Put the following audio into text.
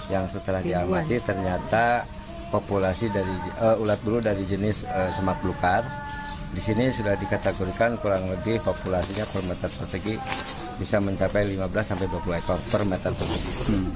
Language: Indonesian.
yang setelah diamati ternyata ulat bulu dari jenis semak lukar disini sudah dikategorikan kurang lebih populasinya per meter persegi bisa mencapai lima belas dua puluh ekor per meter persegi